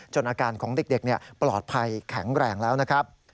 อาการของเด็กปลอดภัยแข็งแรงแล้วนะครับ